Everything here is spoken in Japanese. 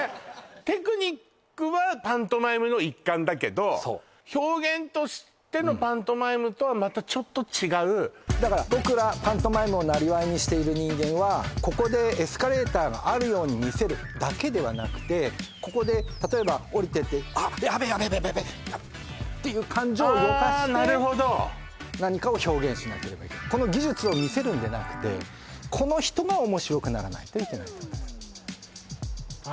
テクニックはパントマイムの一環だけど表現としてのパントマイムとはまたちょっと違うだから僕らパントマイムを生業にしている人間はここでエスカレーターがあるように見せるだけではなくてここで例えば降りてってあっやべやべべべっていう感情を動かしてああなるほど何かを表現しなければいけないこの技術を見せるんでなくてこの人が面白くならないといけないってことなんですあ